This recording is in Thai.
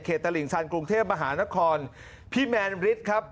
เขตลิงชาญกรุงเทพมหานครพี่แมนลิสครับ